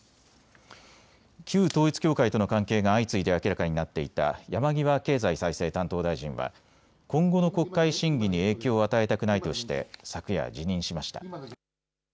旧統一教会との関係が相次いで明らかになっていた山際経済再生担当大臣は今後の国会審議に影響を与えたくないとして昨夜、辞任しました。